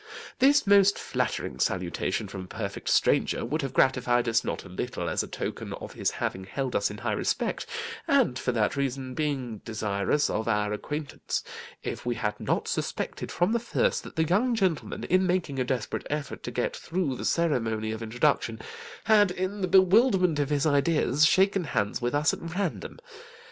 This most flattering salutation from a perfect stranger, would have gratified us not a little as a token of his having held us in high respect, and for that reason been desirous of our acquaintance, if we had not suspected from the first, that the young gentleman, in making a desperate effort to get through the ceremony of introduction, had, in the bewilderment of his ideas, shaken hands with us at random.